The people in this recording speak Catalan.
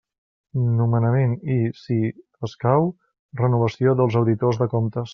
Nomenament i, si escau, renovació dels auditors de comptes.